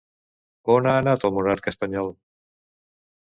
On ha anat el monarca espanyol?